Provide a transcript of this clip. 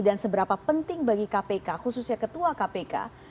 dan seberapa penting bagi kpk khususnya ketua kpk